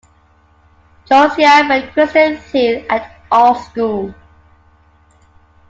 Josiah met Kristen Thiele at art school.